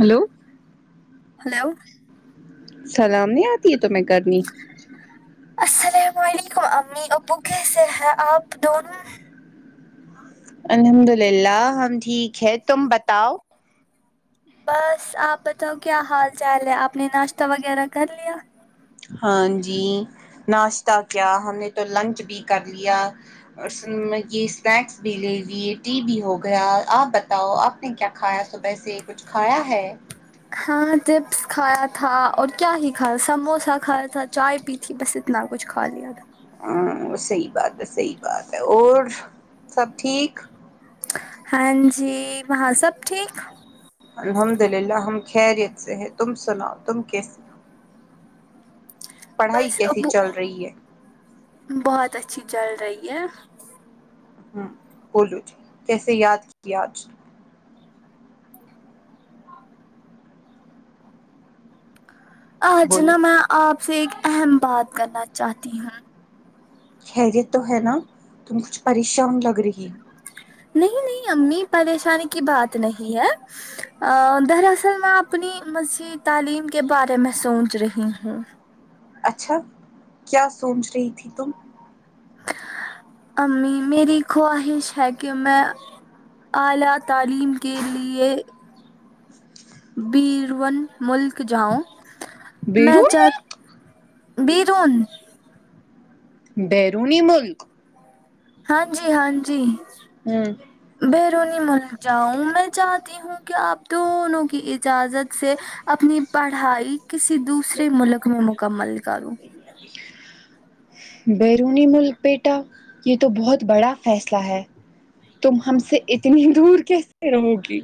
hello hello سلام نہیں آتی ہے تو میں کرنی السلام علیکم امی ابو کیسے ہیں آپ دونوں الحمد للہ ہم ٹھیک ہے تم بتاؤ بس آپ بتاؤ کیا حال چال ہے آپ نے ناشتہ وغیرہ کر لیا ہاں جی ناشتہ کیا ہم نے تو لنچ بھی کر لیا اور یے اسنیکس بھی لے لیے ٹی بھی ہو گیا آپ بتاؤ آپ نہیں کیا کھایا صبح سے کچھ کھایا ہے ہاں چپس کھایا تھا اور کیا ہی کھایا سموسا کھایا تھا چائے پی کی بس اتنا کچھ کھا لیا تھا ہاں صحی بات صحی بات ہے اور سب ٹھیک ہاں جی وہاں سب ٹھیک الحمد للہ ہم خیریت سے ہیں تم سناؤ تم کیسے پڑھائی بس کیسی ابو چل رہی ہے بہت اچھی چل رہی ہے ہ بولو جی کیسے یاد کیا آج آج بولو نا میں آپ سے ایک اہم بات کرنا چاہتی ہوں خیریت تو ہے نا تم کچھ پریشان لگ رہی نہیں نہیں امی پریشانی کی بات نہیں ہے ا دراصل میں اپنی مزید تعلیم کے بارے میں سوچ رہی ہوں اچھا کیا سوچ رہی تھی تم امی میری خواہش ہے کہ میں اعلی تعلیم کے لیے بیرون ملک جاؤ میں بیرون چاہ ملک بیرون بیرونی ملک ہاں جی ہاں جی ہوں بیرونی ملک جاؤں میں چاہتی ہوں کہ آپ دونوں کی اجازت سے اپنی پڑھائی کسی دوسرے ملک میں مکمل کروں بیرونی ملک بیٹا یہ تو بہت بڑا فیصلہ ہے تم ہم سے اتنی دور کیسے رہو گی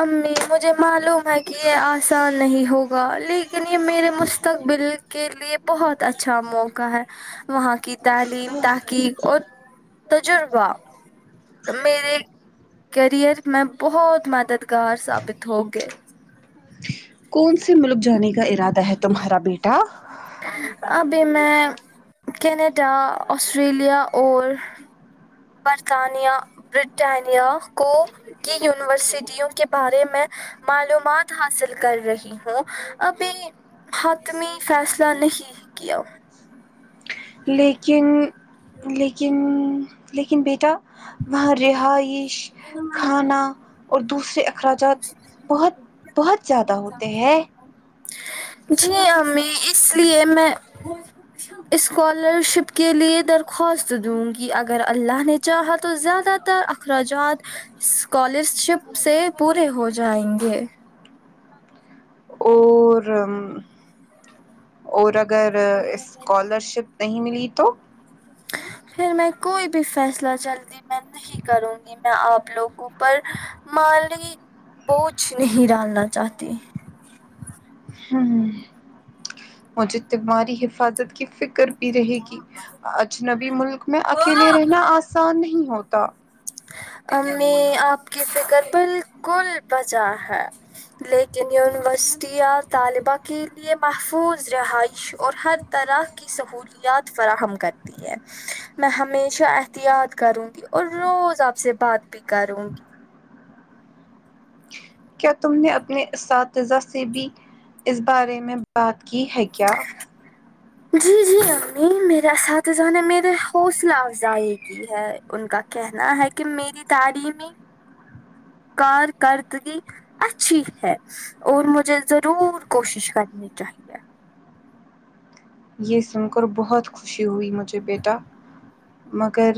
امی مجھے معلوم ہے کہ یہ آسان نہیں ہوگا لیکن یے میرے مستقبل کے لیے بہت اچھا موقع ہے وہاں کی تعلیم تحقیق اور تجربہ میرے کریئر میں بہت مددگار ثابت ہو گئے کون سے ملک جانے کا ارادہ ہے تمہارا بیٹا ابھی میں کینیڈا آسٹریلیا اور برطانیہ بریٹانیہ کو کی یونیورسٹیوں کے بارے میں معلومات حاصل کر رہی ہوں ابھی حتمی فیصلہ نہیں کیا لیکن لیکن لیکن بیٹا وہاں رہائش کھانا اور دوسرے اخراجات بہت بہت زیادہ ہوتے ہیں جی امی اس لیے میں اسکالر شپ کے لیے درخواست دوں گی اگر اللہ نے چاہا تو زیادہ تر اخراجات اسکالرشپ سے پورے ہو جائیں گے ج اور اور اگر اسکالرشپ نہیں ملی تو پھر میں کوئی بھی فیصلہ چل گ میں نہیں کروں گی میں آپ لوگوں پر مالی پوچھ نہیں ڈالنا چاہتی مجھے تمہاری حفاظت کی فکر رہے گی اجنبی ملک میں اکیلے رہنا آسان نہیں ہوتا امی آپ کی فکر بالکل بجا ہے لیکن یونیورسٹں طالبہ کے لیے محفوظ رہائش اور حر طرح کی سہولیات فراہم کریں میں ہمیشہ احتیاط کروں گی اور روز آپ سے بات بھی کروں گی کیا تم نے اپنے اساتذہ سے بھی اس بارے میں بات کی ہے کیا جی جی امی میرا اساتذہ نے میرے حوصلہ افزائی کی ہے ان کا کہنا ہے کہ میری تاریم کارکردگی اچھی ہے اور مجھے ضرور کوشش کرنی چاہیے یہ سن کر بہت خوشی ہوئی مجھے بیٹا مگر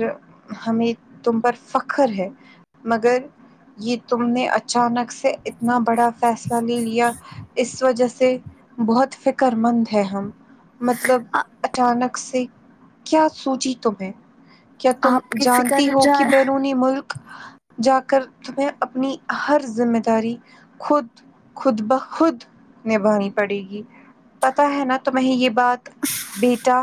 ہمیں تم پر فخر ہے مگر یہ تم نے اچانک سے اتنا بڑا فیصلہ لے لیا اس وجہ سے بہت فکر مند ہے ہم مطلب آ- اچانک سے کیا سوچی تم نے کیا تم آپ کی فکر جانتی ہو جا کہ بیرونی ملک جا کر تمیں اپنی ہر ذمہ داری خود خود بخود نبھانی پڑے گی پتا ہے نا تو میں یہ بات بیٹا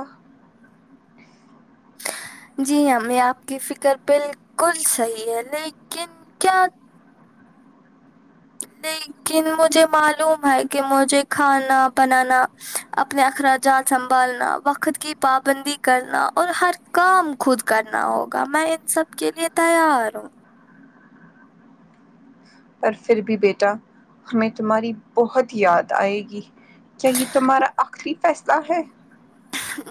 جی ہمیں آپ کی فکر بالکل صحیح ہے لیکن کیا لیکن مجھے معلوم ہے کہ مجھے کھانا بنانا اپنے اخراجات سنبھالنا وقت کی پابندی کرنا اور ہر کام خود کرنا ہوگا میں ان سب کے لیے تیار ہوں پر پھر بھی بیٹا ہمیں تمہاری بہت یاد آئے گی کیا یہ تمہارا آخری فیصلہ ہے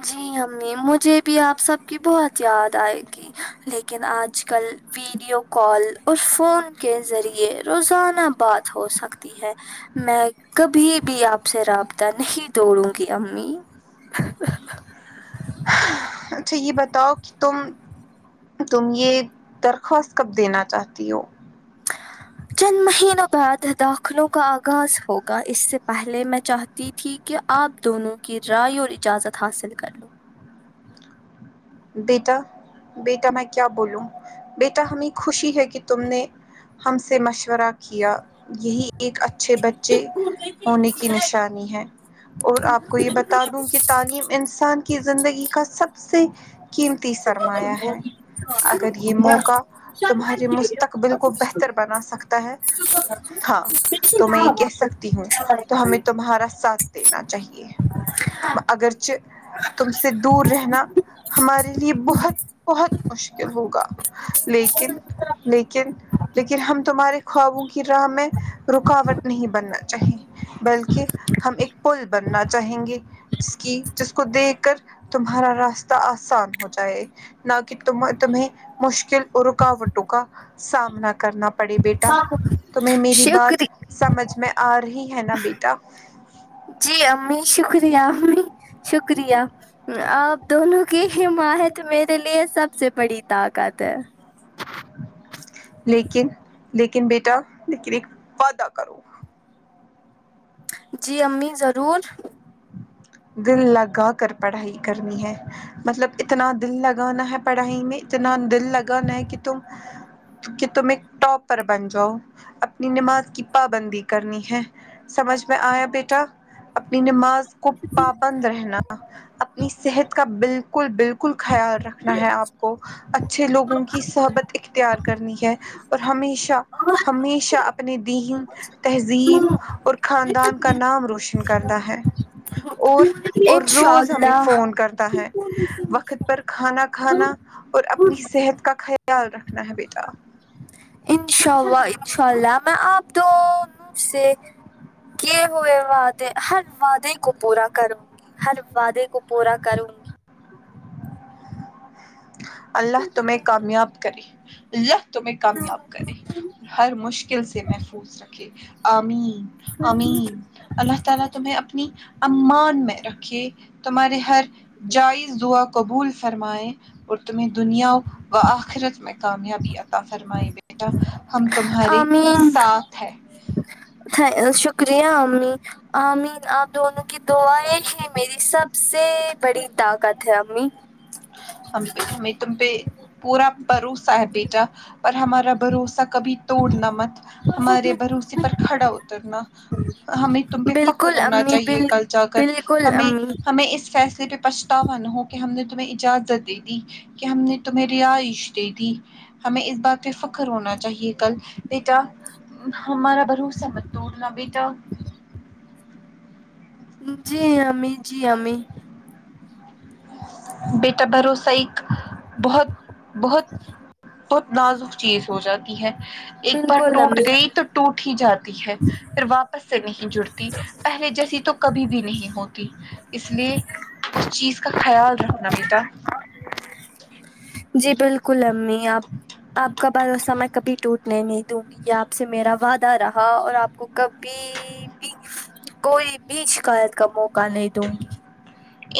جی امی مجھے بھی آپ سب کی بہت یاد آئے گی لیکن آج کل ویڈیو کال اور فون کے ذریعے روزانہ بات ہو سکتی ہے میں کبھی بھی آپ سے رابطہ نہیں دوڑوں گی امی اچھا یہ بتاؤ کہ تم تم یہ درخواست کب دینا چاہتی ہو چند مہینوں بعد داخلوں کا آغاز ہوگا اس سے پہلے میں چاہ تی تھی کہ آپ دونوں کی رائے اور اجازت حاصل کر لو بیٹا بیٹا میں کیا بولوں بیٹا ہمیں خوشی ہے کہ تم نے ہم سے مشورہ کیا یہی ایک اچھے بچے ہونے کی نشانی ہے اور آپ کو یہ بتا دوں کہ تعلیم انسان کی زندگی کا سب سے قیمتی سرمایہ ہے اگر یہ موقع تمہارے مستقبل کو بہتر بنا سکتا ہے ہاں تو میں یہ کہہ سکتی ہوں تو ہمیں تمہارا ساتھ دینا چاہیے اگرچہ تم سے دور رہنا ہمارے لیے بہت بہت مشکل ہوگا لیکن لیکن لیکن ہم تمہارے خوابوں کی راہ میں رکاوٹ نہیں بننا چاہیے بلکہ ہم ایک پل بننا چاہیں گے جس کی جس کو دیکھ کر تمہارا راستہ آسان ہو جائے نہ کہ تو تمہیں مشکل اور رکاوٹوں کا سامنا کرنا پڑے بیٹا تمہیں میری بات شکری سمجھ میں آ رہی ہے نا بیٹا جی امی شکریہ امی شکریہ اپ دونوں کی حمایت میرے لیے سب سے بڑی طاقت ہے لیکن لیکن بیٹا لیکن ایک وعدہ کرو جی امی ضرور دل لگا کر پڑھائی کرنی ہے مطلب اتنا دل لگانا ہے پڑھائی میں اتنا دل لگانا ہے کہ تم کہ تم ایک ٹاپر بن جاؤ اپنی نماز کی پابندی کرنی ہے سمجھ میں آیا بیٹا اپنی نماز کو پابند رہنا اپنی صحت کا بالکل بالکل بالکل خیال رکھنا ہے آپ کو اچھا اچھے لوگوں کی سحبت اختیار کرنی ہے اور ہمیشہ ہمیشہ اپنے دین تہذیب اور خاندان کا نام روشن کرنا ہے اور اور انشاء روز ہمیں اللہ فون کرتا ہے وقت پر کھانا کھانا اور اپنی صحت کا خیال رکھنا ہے بیٹا انشاء اللہ انشاء اللہ میں آپ دونوں سے سے کی ہوئے واد ہر وعدے کو پورا کروں گی ہر وعدے کو پورا کروں گی اللہ تمہیں کامیاب کرے ال تمہے کامیاب کرے ہر مشکل سے محفوظ رکھے آمین امین اللہ تعالی تمہیں اپنی امان میں رکھے تمہارے ہر جائز دعا قبول فرمائےیں اور تمہیں دنیاؤ و آخرت میں کامیابی آت فرمائی بیٹا ہم تمہارے آمین ساتھ ہے شکریہ امی آ مین آپ دونوں کی دعیں ہیں میری سب سے بڑی طاقت ہے امی ہم پہ ہمیں تم پہ پورا بھروسہ ہے بیٹا پر ہمارا بھروسہ کبھی توڑنا مت ہمارے بھروسے پر کھڑا اترنا ہمیں تم پہ فخر بالکل ہونا امی چاہیے بال کل جا کر بالکل ہمیں امی ہمیں اس فیصلے پہ پچ تاوا نہ ہو کہ ہم نے تمہیں اجازت دے دی کہ ہم نے تمہیں رہائش دے دی ہمیں اس بات پہ فخر ہونا چاہیے کل بیٹا ہمارا بھروسا مت ٹوڈھنا بیٹا جی امی جی امی بیٹا بھروسہ ایک بہت بہت بہت نازک چیز ہو جاتی ہے ایک بار بالکل ٹوٹ امی گئی تو ٹوٹ ہی جاتی ہے پھر واپس سے نہیں جڑتی پہلے جیسی تو کبھی بھی نہیں ہوتی اس لیے اس چیز کا خیال رکھنا بیٹا جی بالکل امی آپ آپ کا بھروسا میں کبھی ٹوٹنے نہیں دوں گی یہ آپ سے میرا وعدہ رہا اور آپ کو کبھی کوئی بھی شکایت کا موقع نہیں دونگی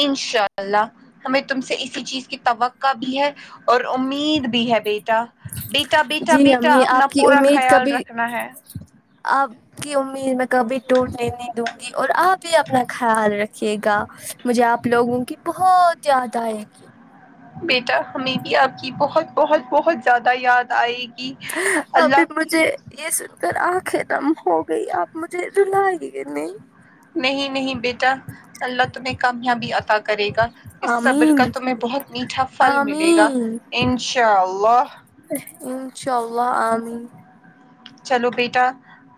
انشاء اللہ ہمیں تم سے اسی چیز کی توقع بھی ہے اور امید بھی ہے بیٹا بیٹا بیٹا جی بیٹا امی اپنا آپ کی پورا امید خیال کبھی رکھنا ہے آپ کی امید میں کبھی ٹوٹنے نہیں دوں گی اور آپ ہی اپنا خیال رکھ رکھ گا مجھے آپ لوگوں کی بہت یاد آئے گی بیٹا ہمیں بھی آپ کی بہت بہت بہت زیادہ یاد آئے گی ابھی اللہ مجھے یہ سن کر آنکھیں دم ہو گئی آپ مجھے دلائی گے نہیں نہیں نہیں بیٹا اللہ تمہیں کامیابی عطا کرے گا اس صبر آمین کا تمہیں بہت میٹھا پھل ملے گا آمین انشاء اللہ انشاء اللہ امین چلو بیٹا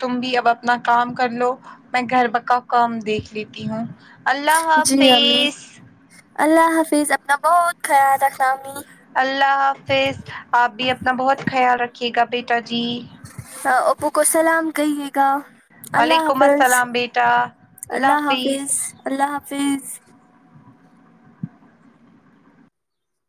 تم بھی اب اپنا کام کر لو میں گھر کا کام دیکھ لیتی ہوں اللہ جی امی حافظ اللہ حافظ اپنا بہت خیال رکھنا امی اللہ حافظ آپ بھی اپنا بہت خیال رکھیے گا بیٹا جی اوپو کو سلام کہیے گا اللہ وعلیکم حافظ السلام بیٹا اللہ حافظ اللہ حافظ